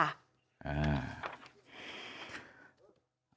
อ่า